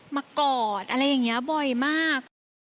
กอดอะไรอย่างนี้บ่อยมาก